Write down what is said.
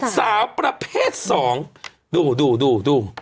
สาวประเภท๒ดู